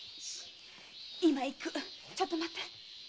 今行くちょっと待って。